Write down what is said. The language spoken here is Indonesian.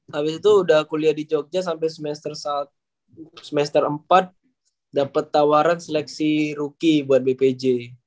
habis itu udah kuliah di jogja sampai semester empat dapat tawaran seleksi rookie buat bpj